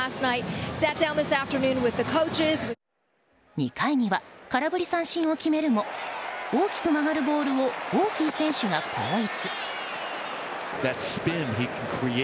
２回には空振り三振を決めるも大きく曲がるボールをオーキー選手が後逸。